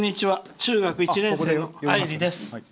中学１年生のあいりです。